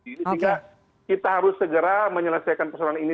sehingga kita harus segera menyelesaikan persoalan ini